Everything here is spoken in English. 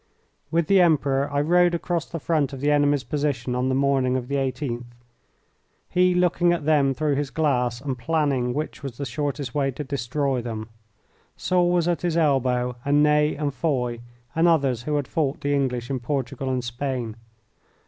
With the Emperor I rode across the front of the enemy's position on the morning of the 18th, he looking at them through his glass and planning which was the shortest way to destroy them. Soult was at his elbow, and Ney and Foy and others who had fought the English in Portugal and Spain.